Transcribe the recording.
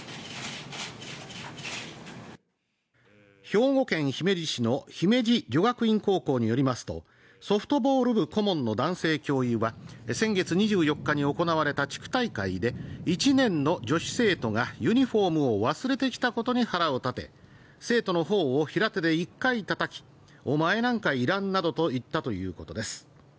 兵庫県姫路市の姫路女学院高校によりますと、ソフトボール部顧問の男性教諭は先月２４日に行われた地区大会で１年の女子生徒がユニフォームを忘れてきたことに腹を立て、生徒の頬を平手で１回たたき、お前なんかいらんなどと言ったということです。